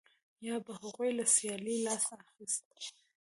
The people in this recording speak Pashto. یا به هغوی له سیالۍ لاس اخیست